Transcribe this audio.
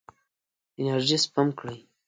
انرژي سپم کړئ.